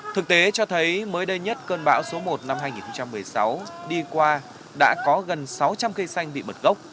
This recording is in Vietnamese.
thực tế cho thấy mới đây nhất cơn bão số một năm hai nghìn một mươi sáu đi qua đã có gần sáu trăm linh cây xanh bị bật gốc